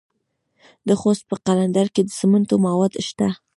د خوست په قلندر کې د سمنټو مواد شته.